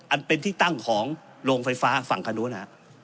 อันเป็นที่ตั้งของโรงไฟฟ้าฝั่งคันนู้น